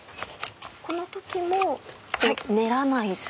この時も練らない。